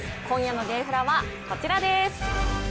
今夜のゲーフラはこちらです。